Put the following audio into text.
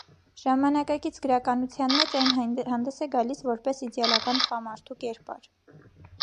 Ժամանակակից գրականության մեջ այն հանդես է գալիս որպես իդեալական տղամարդու կերպար։